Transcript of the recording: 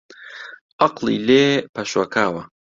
عەقڵی لێ پەشۆکاوە